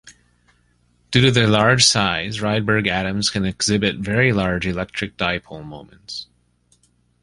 Due to their large size, Rydberg atoms can exhibit very large electric dipole moments.